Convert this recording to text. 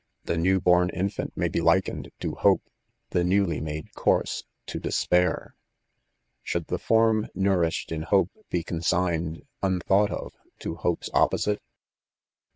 The new horn infant may be likened to Hope — the newly made coise to Despair. Should the form; nourished in hope be consigned, wtifamght of, to hope's opposite?